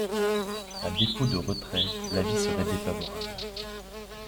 À défaut de retrait, l’avis serait défavorable.